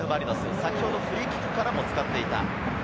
先ほどのフリーキックからも使っていた。